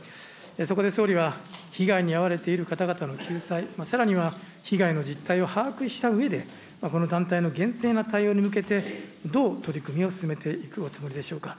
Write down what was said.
そこで総理は被害に遭われている方々の救済、さらには被害の実態を把握したうえで、この団体の厳正な対応に向けて、どう取り組みを進めていくおつもりでしょうか。